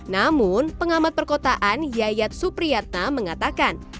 namun pengamat perkotaan yayat supriyatna mengatakan